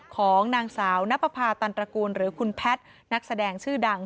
ของนางสาวนับประพาตันตระกูลหรือคุณแพทย์นักแสดงชื่อดัง